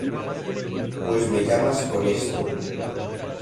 pues me llamas con esto.